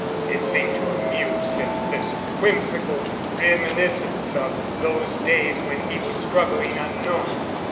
It seemed to amuse him, this whimsical reminiscence of those days when he was struggling unknown.